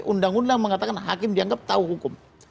undang undang mengatakan hakim dianggap tahu hukum